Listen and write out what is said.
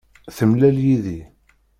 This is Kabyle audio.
Temlal yid-i.